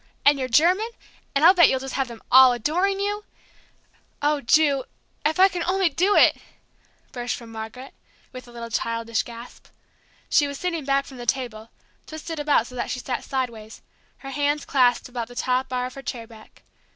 And your German and I'll bet you'll just have them all adoring you !" "Oh, Ju, if I only can do it!" burst from Margaret, with a little childish gasp. She was sitting back from the table, twisted about so that she sat sideways, her hands clasped about the top bar of her chair back.